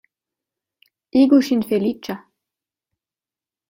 Igu ŝin feliĉa!